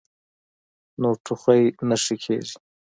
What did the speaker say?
نو ټوخی نۀ ښۀ کيږي -